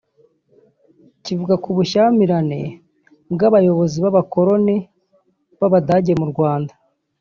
Kivuga ku bushyamirane bw’abayobozi b’abakoloni b’Abadage mu Rwanda